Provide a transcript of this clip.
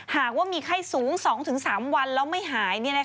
หากว่ามีไข้สูง๒๓วันแล้วไม่หาย